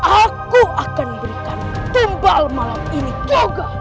aku akan berikan tumbal malam ini juga